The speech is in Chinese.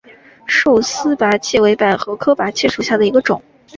束丝菝葜为百合科菝葜属下的一个种。